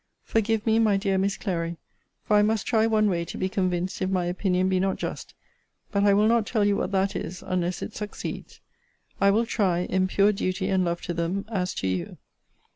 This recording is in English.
Forgive me, my dear Miss Clary; for I must try one way to be convinced if my opinion be not just. But I will not tell you what that is, unless it succeeds. I will try, in pure duty and love to them, as to you.